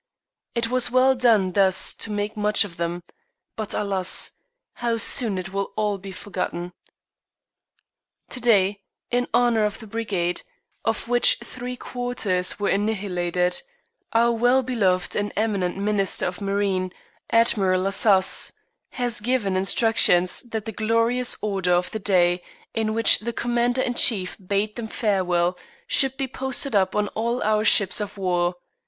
It was well done thus to make much of them, but alas! how soon it will all be forgotten. To day, in honour of the Brigade, of which three quarters were annihilated, our well beloved and eminent Minister of Marine, Admiral Lacaze, has given instructions that the glorious Order of the Day, in which the commander in chief bade them farewell, should be posted up on all our ships of war.